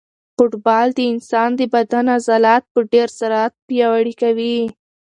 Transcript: فوټبال د انسان د بدن عضلات په ډېر سرعت سره پیاوړي کوي.